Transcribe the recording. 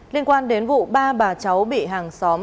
liên quan đến vụ ba bà cháu bị hàng xóm